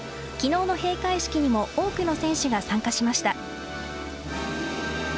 きのうの閉会式にも多くの選手が参加しました。